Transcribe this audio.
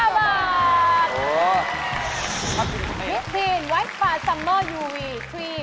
มิสทีนไวท์ปาซัมเมอร์ยูวีถี่